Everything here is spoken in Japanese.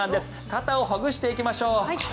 肩をほぐしていきましょう。